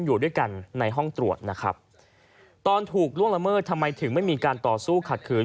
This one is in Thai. อยู่ด้วยกันในห้องตรวจนะครับตอนถูกล่วงละเมิดทำไมถึงไม่มีการต่อสู้ขัดขืน